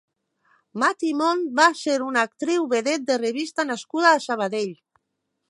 Maty Mont va ser una actriu, vedet de revista nascuda a Sabadell.